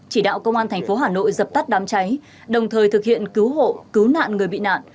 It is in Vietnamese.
chỉ đạo công an thành phố hà nội dập tắt đám cháy đồng thời thực hiện cứu hộ cứu nạn người bị nạn